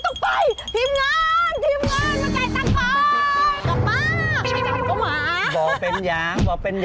เสียตังค์ได้เลย